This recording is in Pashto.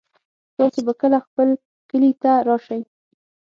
تاسو به کله خپل کلي ته راشئ